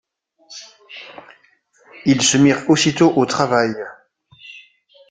Ils se mirent aussitôt au travail.